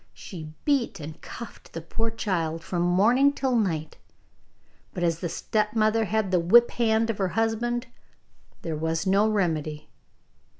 She beat and cuffed the poor child from morning till night, but as the stepmother had the whip hand of her husband there was no remedy.